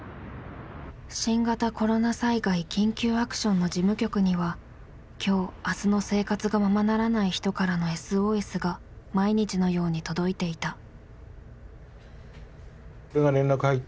新型コロナ災害緊急アクションの事務局には今日明日の生活がままならない人からのＳＯＳが毎日のように届いていた。